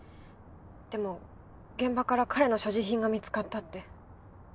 でも現場から彼の所持品が見つかったって。